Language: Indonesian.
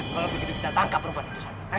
kalau begitu kita tangkap perempuan itu saya